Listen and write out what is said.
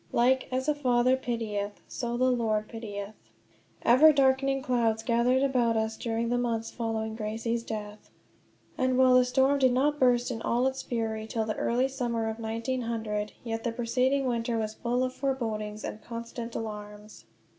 "Like as a father pitieth, ... so the Lord pitieth." Ever darkening clouds gathered about us during the months following Gracie's death; and while the storm did not burst in all its fury till the early summer of 1900, yet the preceding winter was full of forebodings and constant alarms.